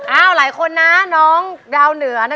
หลายคนนะน้องดาวเหนือนะ